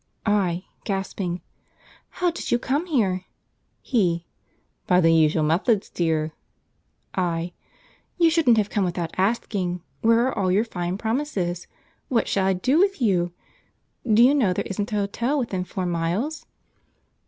I. "How did you come here?" He. "By the usual methods, dear." I. "You shouldn't have come without asking. Where are all your fine promises? What shall I do with you? Do you know there isn't an hotel within four miles?"